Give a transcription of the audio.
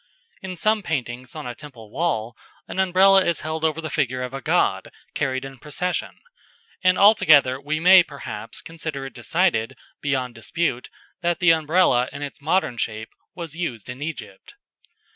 In some paintings on a temple wall, an Umbrella is held over the figure of a god carried in procession, and altogether we may, perhaps, consider it decided, beyond dispute, that the Umbrella in its modern shape was used in Egypt.